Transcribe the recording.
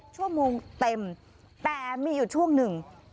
ชั่วโมงเต็มแต่มีอยู่ช่วงหนึ่ง